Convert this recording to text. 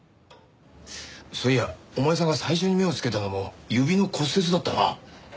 そういやお前さんが最初に目を付けたのも指の骨折だったな。